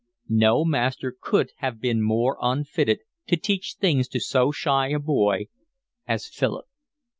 No master could have been more unfitted to teach things to so shy a boy as Philip.